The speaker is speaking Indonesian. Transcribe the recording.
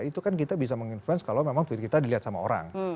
itu kan kita bisa menginfluence kalau memang tweet kita dilihat sama orang